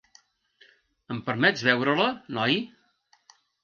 Em permets veure-la, noi?